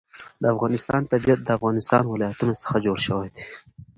د افغانستان طبیعت له د افغانستان ولايتونه څخه جوړ شوی دی.